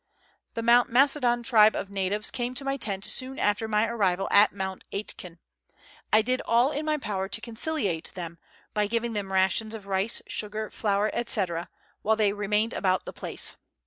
The Mount Macedon tribe of natives came to my tent soon after my arrival at Mount Aitken. I did all in my power to conciliate them, by giving them rations of rice, sugar, flour, &c., while they remained about the place.